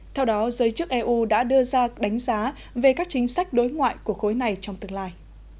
theo đó giới chức eu đã đưa ra đánh giá về các chính sách đối ngoại của khối này trong tương lai